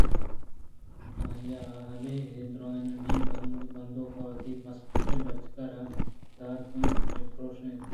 آئی ءَ ہمے دارانی بندُک وتی مستریں بچکّ ءَ را دات اَنت کہ پرٛوش اِت